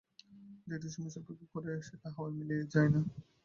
কিন্তু একটি সমস্যা উপেক্ষা করলেই সেটা হাওয়ায় মিলিয়ে যায় না।